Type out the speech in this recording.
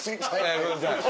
ごめんなさい。